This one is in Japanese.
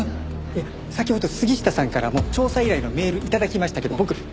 先ほど杉下さんからも調査依頼のメール頂きましたけど僕忙しいんです。